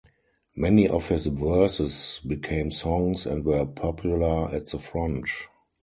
Many of his verses became songs and were popular at the front.